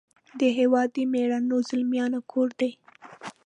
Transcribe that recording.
د هیواد د میړنو زلمیانو کور دی .